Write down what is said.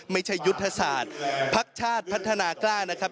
ไม่ใช่ยุทธศาสตร์พักชาติพัฒนากล้านะครับ